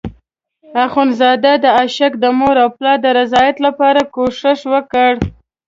اخندزاده د عاشق د مور او پلار د رضایت لپاره کوشش وکړ.